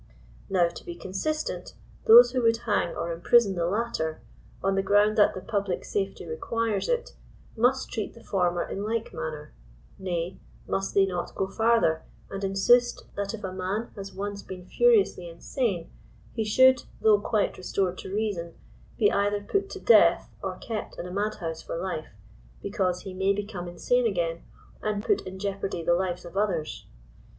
Now to be consistent those who would hang or imprison the latter, on the ground that the pub lie safety requires it, must treat the former in like manner Nay, must they not go farther, and insist that if a man has one* been furiously insane, he should— though quite restored to reason— be either put to death or kept in a madhouse for life, because he may become insane again, and put in jeopardy the lives of others